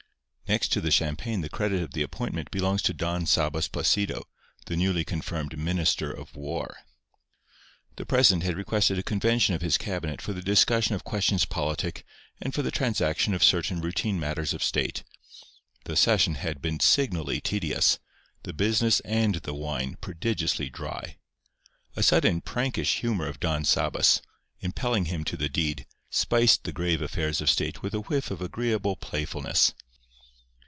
Next to the champagne the credit of the appointment belongs to Don Sabas Placido, the newly confirmed Minister of War. The president had requested a convention of his cabinet for the discussion of questions politic and for the transaction of certain routine matters of state. The session had been signally tedious; the business and the wine prodigiously dry. A sudden, prankish humour of Don Sabas, impelling him to the deed, spiced the grave affairs of state with a whiff of agreeable playfulness.